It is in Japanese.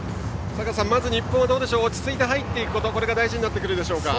坂田さん、まず日本は落ち着いて入っていくことこれが大事になってくるでしょうか。